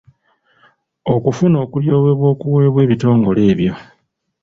Ofuna okulyoyebwa okuweebwa ebitongole ebyo.